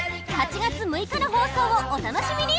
８月６日の放送をおたのしみに！